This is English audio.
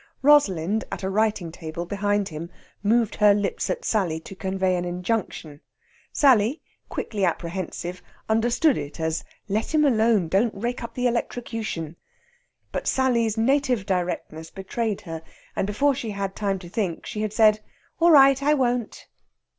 Rosalind, at a writing table behind him, moved her lips at Sally to convey an injunction. Sally, quickly apprehensive, understood it as "Let him alone! Don't rake up the electrocution!" But Sally's native directness betrayed her, and before she had time to think, she had said, "All right; I won't."